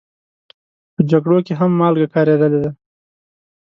په جګړو کې هم مالګه کارېدلې ده.